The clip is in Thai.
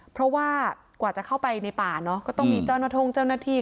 เพราะว่ากว่าจะเข้าไปในป่าก็ต้องมีเจ้าหนทงเจ้าหน้าที่